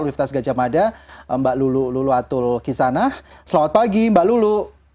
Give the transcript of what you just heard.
universitas gajah mada mbak lulu lulu atul kisanah selamat pagi mbak lulu